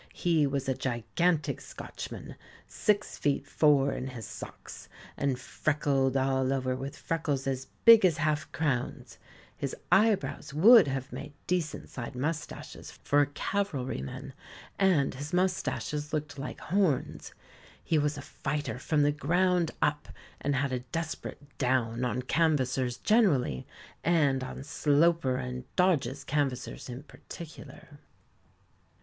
He was a gigantic Scotchman, six feet four in his socks, and freckled all over with freckles as big as half crowns. His eyebrows would have made decent sized moustaches for a cavalryman, and his moustaches looked like horns. He was a fighter from the ground up, and had a desperate "down" on canvassers generally, and on Sloper and Dodge's canvassers in particular.